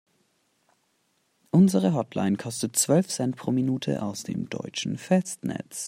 Unsere Hotline kostet zwölf Cent pro Minute aus dem deutschen Festnetz.